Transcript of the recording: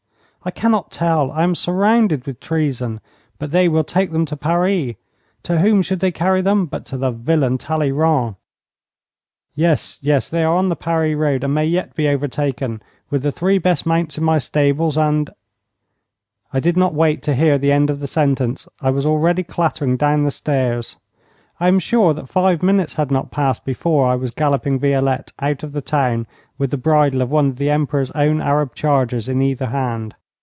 'I cannot tell. I am surrounded with treason. But they will take them to Paris. To whom should they carry them but to the villain Talleyrand? Yes, yes, they are on the Paris road, and may yet be overtaken. With the three best mounts in my stables and ' I did not wait to hear the end of the sentence. I was already clattering down the stairs. I am sure that five minutes had not passed before I was galloping Violette out of the town with the bridle of one of the Emperor's own Arab chargers in either hand.